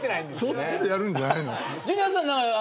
そっちでやるんじゃないの？